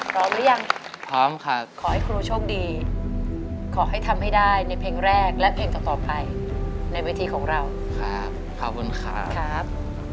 พร้อมหรือยังพร้อมครับขอให้ครูโชคดีขอให้ทำให้ได้ในเพลงแรกและเพลงต่อไปในเวทีของเราครับขอบคุณครับครับ